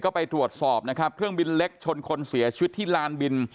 ก็ไปตรวจสอบนะครับเครื่องบินเล็กชนคนเสียชีวิตที่ลานบิน